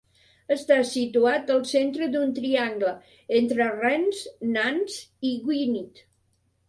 Està situat al centre d'un triangle entre Rennes, Nantes i Gwened.